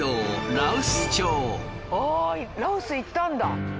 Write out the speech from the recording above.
羅臼行ったんだ。